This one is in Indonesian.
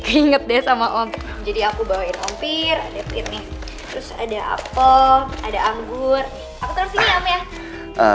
keinget deh sama om jadi aku bawain om pir ada pir nih terus ada apel ada anggur aku terus sini om ya